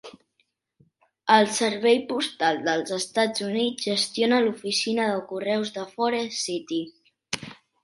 El Servei Postal dels Estats Units gestiona l'oficina de correus de Forrest City.